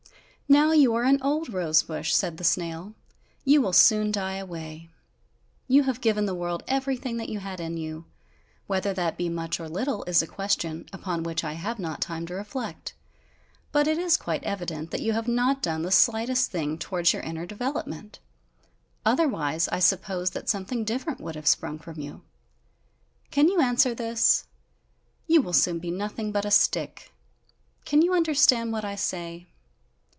"Now you are an old rose bush," said the snail, "you will soon die away. You have given the world everything that you had in you; whether that be much or little is a question, upon which I have not time to reflect. But it is quite evident, that you have not done the slightest thing towards your inward developement; otherwise I suppose that something different would have sprung from you. Can you answer this? You will soon be nothing but a stick! Can you understand what I say?"